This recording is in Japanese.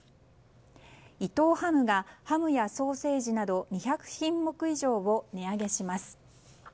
伊藤ハムがハムやソーセージなど２００品目以上を値上げします。